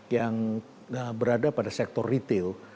yang berada pada sektor retail